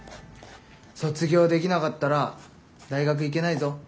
卒業できなかったら大学行けないぞ。